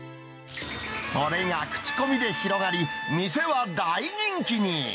それが口コミで広がり、店は大人気に。